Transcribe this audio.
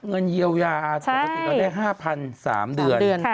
เงินเยียวยาปกติเราได้๕๓เดือน